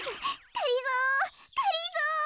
がりぞーがりぞー！